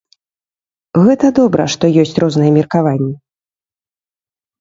Гэта добра, што ёсць розныя меркаванні.